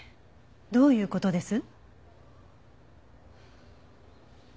どういう事です？